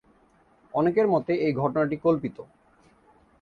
অনেকের মতে এই ঘটনাটি কল্পিত।